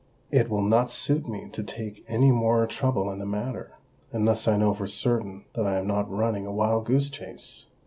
"It will not suit me to take any more trouble in the matter, unless I know for certain that I am not running a wild goose chase."